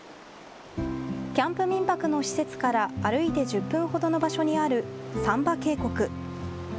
キャンプ民泊の施設から歩いて１０分ほどの場所にある三波渓谷。